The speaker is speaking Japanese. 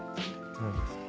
うん。